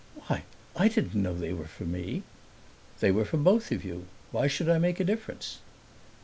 "Why I didn't know they were for me!" "They were for both of you. Why should I make a difference?"